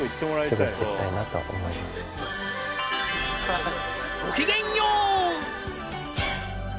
ごきげんよう！